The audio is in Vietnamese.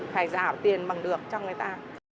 phải giả tiền bằng được cho người ta